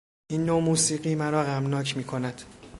این نوع موسیقی مرا غمناک میکند.